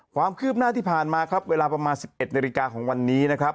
ความคืบหน้าที่ผ่านมาเวลาประมาณ๑๑นิริกาของวันนี้